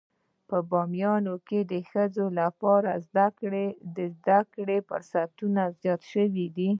په باميان کې د ښځو لپاره د زده کړې فرصتونه زيات شوي دي.